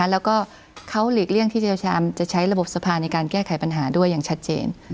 และเขาหลีกเลี่ยงที่เจียวกาลจะใช้ระบบสภาษณ์ในการแก้ไขปัญหาด้วยอย่างชัดเจน